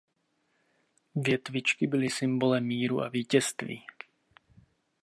Větvičky byly symbolem míru a vítězství.